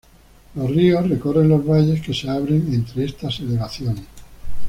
Los ríos recorren los valles que se abren entre estas elevaciones.